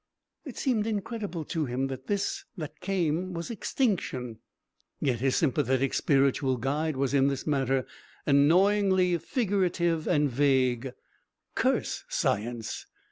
It seemed incredible to him that this that came was extinction. Yet his sympathetic spiritual guide was in this matter annoyingly figurative and vague. Curse science!